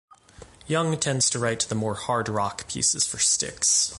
Young tends to write the more hard rock pieces for Styx.